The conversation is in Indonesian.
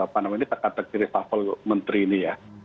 pak namwini teka teki reshuffle menteri ini ya